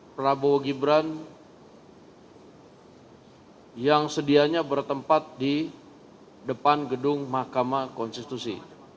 prabowo gibran yang sedianya bertempat di depan gedung mahkamah konstitusi